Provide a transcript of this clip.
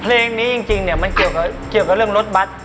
เพลงนี้จริงเนี่ยมันเกี่ยวกับเรื่องรถบัตร